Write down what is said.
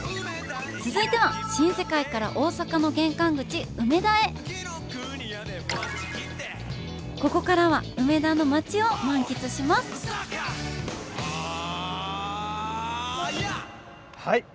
続いては新世界から大阪の玄関口梅田へここからは梅田の街を満喫しますはい。